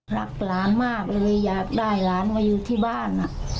รักหลานมากเลยอยากได้หลานมาอยู่ที่บ้าน